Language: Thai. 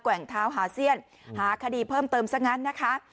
่งเท้าหาเสี้ยนหาคดีเพิ่มเติมซะงั้นนะคะ